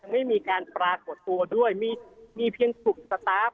ไม่มีการปรากฏตัวด้วยมีเพียงกลุ่มสตาร์ฟ